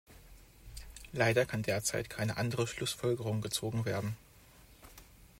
Leider kann derzeit keine andere Schlussfolgerung gezogen werden.